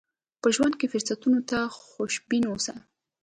په ژوند کې فرصتونو ته خوشبين اوسئ.